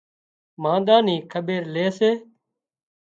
مانۮان نِي کٻير لي سي